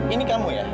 ini kamu ya